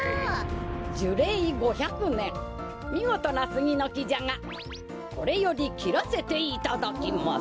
じゅれい５００ねんみごとなスギのきじゃがこれよりきらせていただきます。